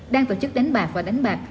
đang tổ chức đánh bạc và đánh bạc